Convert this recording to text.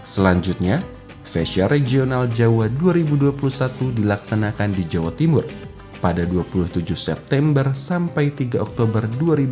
selanjutnya fesya regional jawa dua ribu dua puluh satu dilaksanakan di jawa timur pada dua puluh tujuh september sampai tiga oktober dua ribu dua puluh